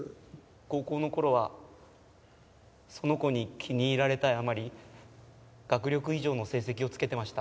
高校の頃はその子に気に入られたいあまり学力以上の成績をつけてました。